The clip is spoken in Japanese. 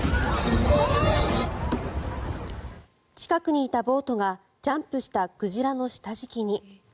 近くにいたボートがジャンプした鯨の下敷きに。